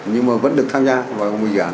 nhưng mà vẫn được tham gia vào một dự án